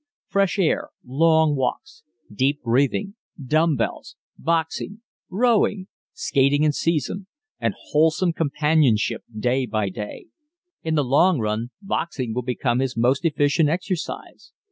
Fresh air, long walks, deep breathing, dumb bells, boxing, rowing, skating in season and wholesome companionship day by day. In the long run boxing will become his most efficient exercise.